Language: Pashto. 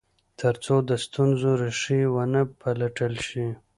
تر څو د ستونزو ریښې و نه پلټل شي.